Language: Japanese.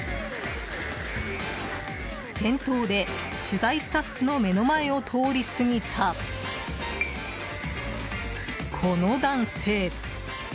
店頭で取材スタッフの目の前を通り過ぎた、この男性。